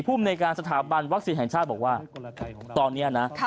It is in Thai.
ภูมิในการสถาบันวัคซีนแห่งชาติบอกว่าตอนนี้นะ